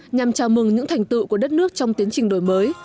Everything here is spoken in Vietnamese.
nhằm chào mừng những thành tựu của đất nước trong tiến trình đổi mới